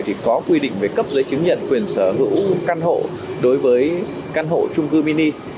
thì có quy định về cấp giấy chứng nhận quyền sở hữu căn hộ đối với căn hộ trung cư mini